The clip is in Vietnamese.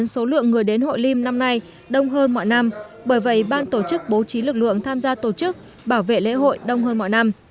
số lượng người đến hội liêm năm nay đông hơn mọi năm bởi vậy ban tổ chức bố trí lực lượng tham gia tổ chức bảo vệ lễ hội đông hơn mọi năm